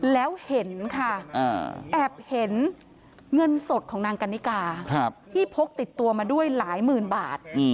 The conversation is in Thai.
แล้วเห็นค่ะแอบเห็นเงินสดของนางกันนิกาที่พกติดตัวมาด้วยหลายหมื่นบาท